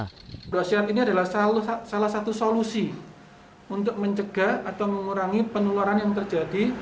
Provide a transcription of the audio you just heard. prosedur sehat ini adalah salah satu solusi untuk mencegah atau mengurangi penularan yang terjadi